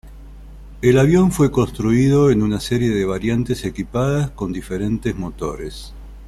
El avión fue construido en una serie de variantes equipadas con diferentes motores.